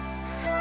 あ。